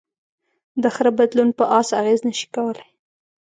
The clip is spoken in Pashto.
د خره بدلون په آس اغېز نهشي کولی.